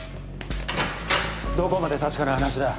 どこまで確かな話だ？